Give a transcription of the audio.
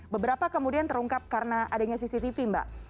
beberapa kemudian terungkap karena adanya cctv mbak